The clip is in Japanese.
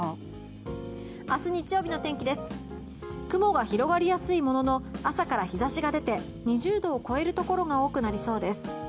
雲が広がりやすいものの朝から日差しが出て２０度を超えるところが多くなりそうです。